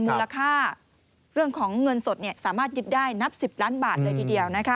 มูลค่าเรื่องของเงินสดสามารถยึดได้นับ๑๐ล้านบาทเลยทีเดียว